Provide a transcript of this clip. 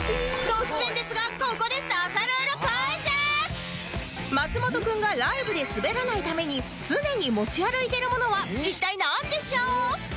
突然ですがここで松本くんがライブでスベらないために常に持ち歩いているものは一体なんでしょう？